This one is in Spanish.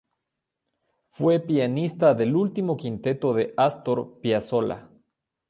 Fue pianista del último quinteto de Astor Piazzolla.